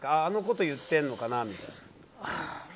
あのことを言ってるのかなみたいな。